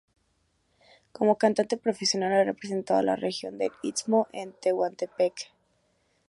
Como cantante profesional ha representado a la región del Istmo de Tehuantepec.